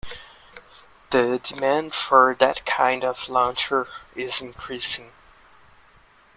The demand for that kind of launcher is increasing.